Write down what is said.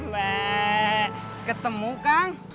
meee ketemu kang